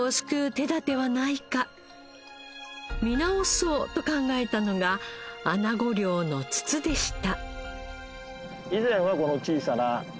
見直そうと考えたのがアナゴ漁の筒でした。